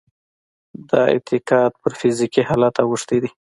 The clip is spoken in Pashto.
دا اعتقاد پر فزيکي حالت اوښتی دی.